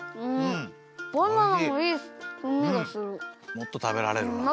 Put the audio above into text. もっとたべられるなこれ。